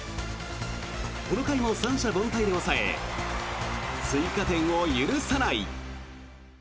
この回も三者凡退で抑え追加点を許さない。